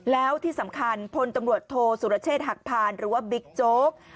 แล้วที่สำคัญพลตำรวจโทสุรเชษฐ์หักพานหรือว่าบิ๊กโจ๊ก